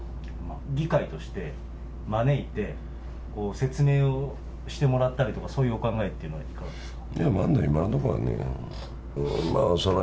議会として招いて、説明をしてもらったりとか、そういうお考えとかはいかがですか？